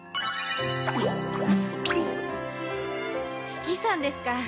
須木さんですか。